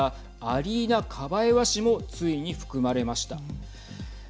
アリーナ・カバエワ氏もついに含まれました。